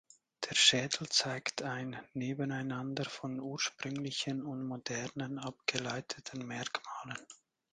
Der Schädel zeigt ein Nebeneinander von ursprünglichen und modernen, abgeleiteten Merkmalen.